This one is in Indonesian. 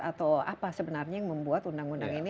atau apa sebenarnya yang membuat undang undang ini